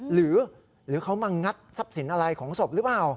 หรือเขามางัดทรัพย์สินอะไรของศพหรือเปล่า